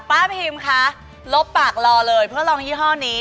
พิมคะลบปากรอเลยเพื่อลองยี่ห้อนี้